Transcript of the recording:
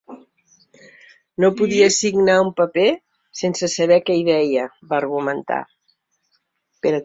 No podia signar un paper sense saber què hi deia, va argumentar.